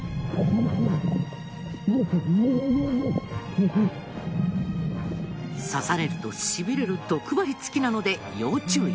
そこで刺されるとしびれる毒針付きなので要注意。